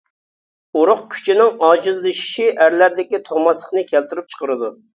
ئۇرۇق كۈچىنىڭ ئاجىزلىشىشى ئەرلەردىكى تۇغماسلىقنى كەلتۈرۈپ چىقىرىدۇ.